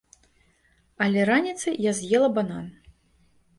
Але раніцай я з'ела банан.